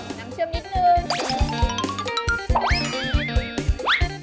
น้ำเชื่อมนิดนึง